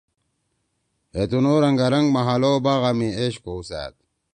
ہے تنُو رنگارنگ محل او باغا می عیش کؤسأد۔